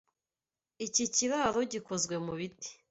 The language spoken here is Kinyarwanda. Iki kiraro gikozwe mubiti.